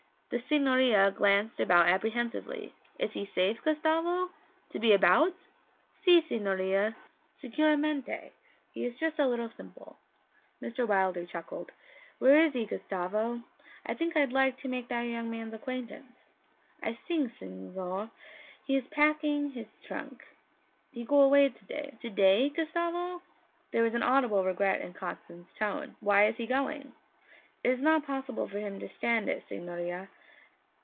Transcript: The signorina glanced about apprehensively. 'Is he safe, Gustavo to be about?' 'Si, signorina, sicuramente! He is just a little simple.' Mr. Wilder chuckled. 'Where is he, Gustavo? I think I'd like to make that young man's acquaintance.' 'I sink, signore, he is packing his trunk. He go away to day.' 'To day, Gustavo?' There was audible regret in Constance's tone. 'Why is he going?' 'It is not possible for him to stand it, signorina.